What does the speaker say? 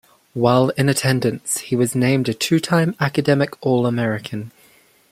While in attendance, he was named a two-time Academic All American.